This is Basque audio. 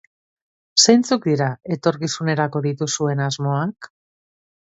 Zeintzuk dira etorkizunerako dituzuen asmoak?